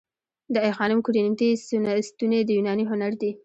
د آی خانم کورینتی ستونې د یوناني هنر دي